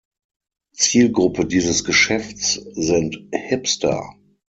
Zielgruppe dieses Geschäfts sind Hipster.